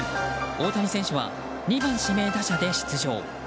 大谷選手は２番指名打者で出場。